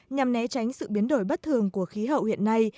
nhằm né tránh sự biến đổi bất thường của khí hậu hiện nay